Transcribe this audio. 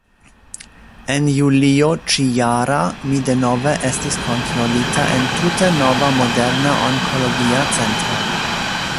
En julio ĉi-jara mi denove estis kontrolita en tute nova moderna onkologia centro.